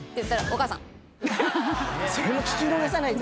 それも聞き逃さないんだ。